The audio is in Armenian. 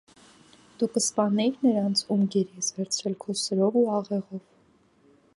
Դու կսպանեի՞ր նրանց, ում գերի ես վերցրել քո սրով ու աղեղով։